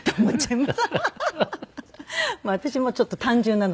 私もちょっと単純なので。